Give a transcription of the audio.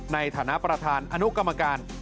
ในฐานะประธานอนุกรรมการ